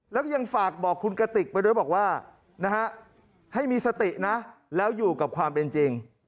แล้วก็ยังฝากบอกคุณกติกไปด้วยบอกว่านะฮะให้มีสตินะแล้วอยู่กับความเป็นจริง